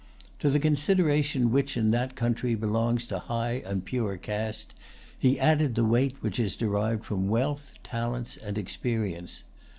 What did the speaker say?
To the consideration which in that country belongs to high and pure caste, he added the weight which is derived from wealth, talents, and experience.